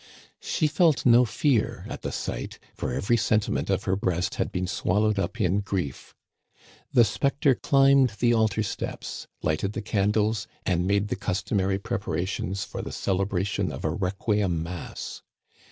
She felt no fear at the sight, for every senti ment of her breast had been swallowed up in grief. The specter climbed the altar steps, lighted the candles, and made the customary preparations for the celebra tion of a requiem mass.